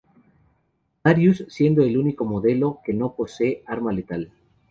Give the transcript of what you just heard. Darius, siendo el único modelo que no posee arma letal.